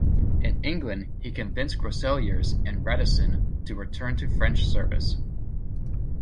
In England he convinced Groseilliers and Radisson to return to French service.